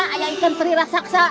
ayah ikan teri raksaksa